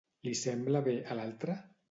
Li sembla bé, a l'altre?